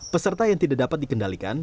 peserta yang tidak dapat dikendalikan